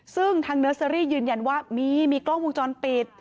ซึ่งทางเนอร์เซอรี่ยืนยันว่ามีมีกล้องวงจรปิด